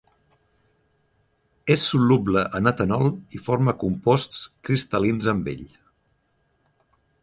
És soluble en etanol i forma composts cristal·lins amb ell.